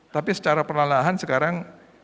tapi secara perlahan lahan sekarang